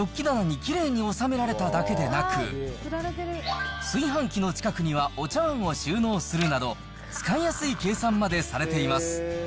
そしてあらゆる形の食器が食器棚にきれいに収められただけでなく、炊飯器の近くにはおちゃわんを収納するなど、使いやすい計算までされています。